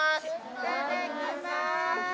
いただきます。